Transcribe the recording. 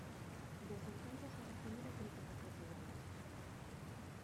Desde entonces ha recibido críticas desiguales.